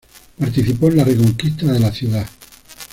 Participó en la Reconquista de la ciudad.